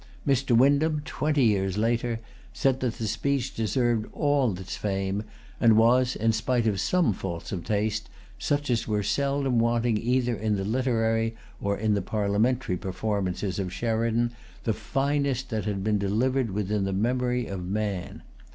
Mr. Windham, twenty years later, said that the speech deserved all its fame, and was, in spite of some faults of taste, such as were seldom wanting either in the literary or in the parliamentary performances of Sheridan, the finest that had been delivered within the memory of man.